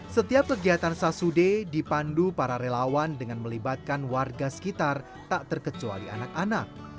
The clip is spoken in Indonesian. setiap kegiatan sasude dipandu para relawan dengan melibatkan warga sekitar tak terkecuali anak anak